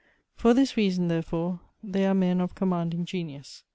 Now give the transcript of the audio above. For this reason therefore, they are men of commanding genius.